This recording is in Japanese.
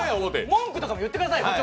文句とかも言ってくださいよ！